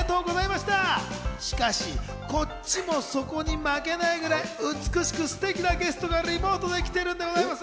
しかしこっちもそこに負けないぐらい美しくステキなゲストがリモートで来てるんです。